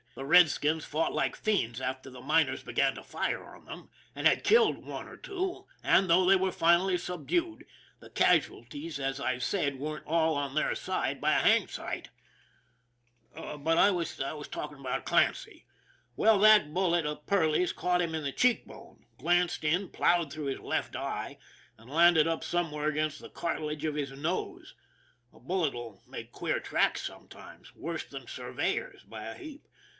The redskins fought like fiends after the miners began to fire on them and had killed one or two, and, though they were finally subdued, the casualties, as I've said, weren't all on their side by a hanged sight. But I was talking about Clancy. Well, that bullet of Perley's caught him on the cheek bone, glanced in, plowed through his left eye, and landed up some where against the cartilage of his nose a bullet will make queer tracks sometimes, worse than surveyors by a heap.